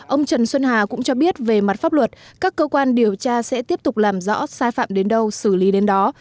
ông trần xuân hà cũng cho biết về mặt pháp luật các cơ quan điều tra sẽ tiếp tục làm rõ sai phạm đến đâu xử lý đến đó